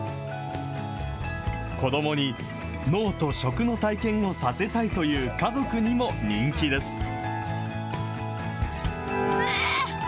子どもに農と食の体験をさせたいという家族にも人気です。